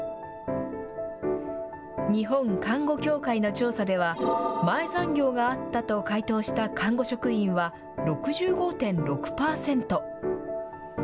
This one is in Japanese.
日本看護協会の調査では、前残業があったと回答した看護職員は６５．６％。